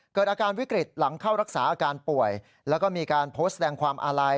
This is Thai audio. เกิดอาการวิกฤตหลังเข้ารักษาอาการป่วยแล้วก็มีการโพสต์แสดงความอาลัย